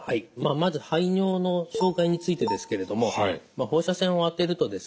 まず排尿の障害についてですけれども放射線を当てるとですね